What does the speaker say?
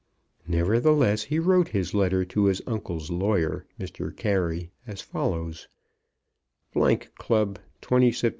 Nevertheless, he wrote his letter to his uncle's lawyer, Mr. Carey, as follows: Club, 20 Sept.